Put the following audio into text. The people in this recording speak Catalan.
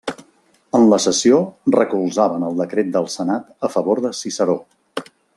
En la sessió recolzaven el decret del Senat a favor de Ciceró.